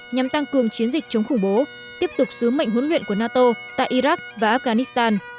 nhằm tăng cường chiến dịch chống khủng bố tiếp tục sứ mệnh huấn luyện của nato tại iraq và afghanistan